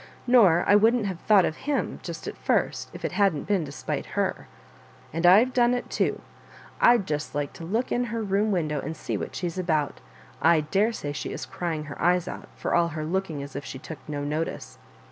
Nor I wouldn't have thought of him just at first, if it hadn't been to spite her. And I've done it too. I'd just like to look in at her room window and see what she's about I daresay she is crying her eyes out, for all her looking as if she took no notice.